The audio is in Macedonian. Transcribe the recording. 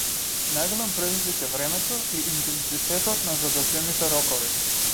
Најголем предизвик е времето и интензитетот на зададените рокови.